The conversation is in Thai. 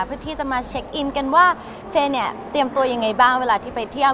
เพื่อที่จะมาเช็คอินกันว่าเฟย์เนี่ยเตรียมตัวยังไงบ้างเวลาที่ไปเที่ยว